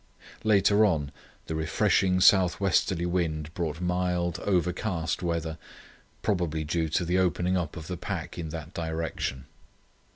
Later on, the freshening south westerly wind brought mild, overcast weather, probably due to the opening up of the pack in that direction.